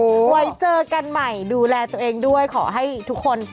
ไว้เจอกันใหม่ดูแลตัวเองด้วยขอให้ทุกคน